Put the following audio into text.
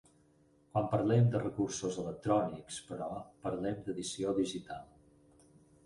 Quan parlem de recursos electrònics, però, parlem d'edició digital.